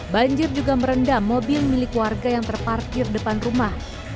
banjir juga merendam mobil milik warga yang terparkir depan rumah